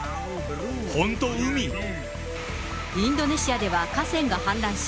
本当、インドネシアでは、河川が氾濫し、